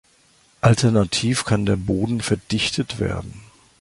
Alternativ kann der Boden verdichtet werden.